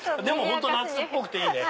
本当夏っぽくていいね。